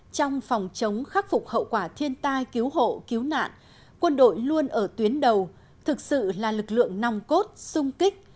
trong phòng chống khắc phục hậu quả thiên tai cứu hộ cứu nạn quân đội luôn ở tuyến đầu thực sự là lực lượng nòng cốt sung kích